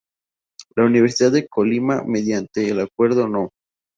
La Universidad de Colima mediante el acuerdo No.